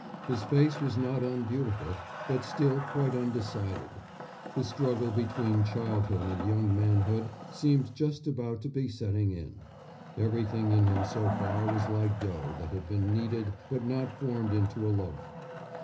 His face was not unbeautiful, but still quite undecided. The struggle between childhood and young manhood seemed just about to be setting in. Everything in him so far was like dough that has been kneaded but not formed into a loaf.